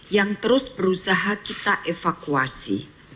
yang terus berusaha kita evakuasi